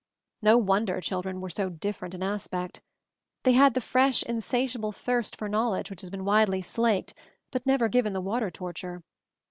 No wonder children wore so different an aspect. They had the fresh, insatiable thirst MOVING THE MOUNTAIN 221 for knowledge which has been wisely slaked, but never given the water torture.